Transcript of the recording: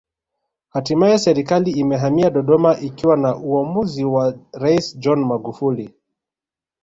Hatimaye Serikali imehamia Dodoma ikiwa ni uamuzi wa Rais John Magufuli